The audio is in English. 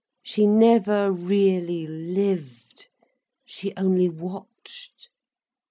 She never really lived, she only watched.